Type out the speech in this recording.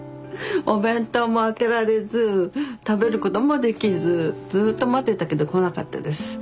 お弁当も開けられず食べることもできずずっと待ってたけど来なかったです。